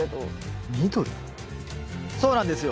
そうなんですよ